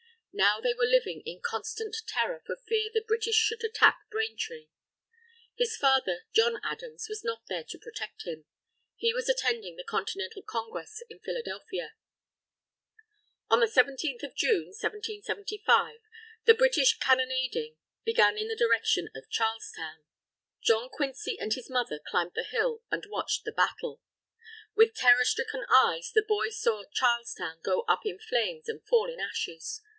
Now they were living in constant terror for fear the British should attack Braintree. His father, John Adams, was not there to protect him. He was attending the Continental Congress in Philadelphia. On the 17th of June, 1775, the British cannonading began in the direction of Charlestown. John Quincy and his mother climbed the hill, and watched the battle. With terror stricken eyes, the boy saw Charlestown go up in flames and fall in ashes.